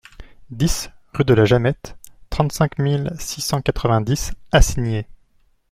dix rue de la Jamette, trente-cinq mille six cent quatre-vingt-dix Acigné